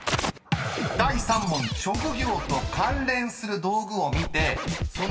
［第３問職業と関連する道具を見てその］